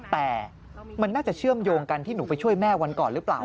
แต่มันน่าจะเชื่อมโยงกันที่หนูไปช่วยแม่วันก่อนหรือเปล่า